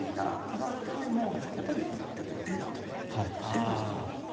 笑顔どう？